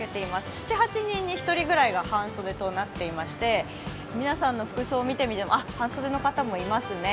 ７８人に１人ぐらいが半袖となっていまして皆さんの服装を見てみても半袖の方もいますね。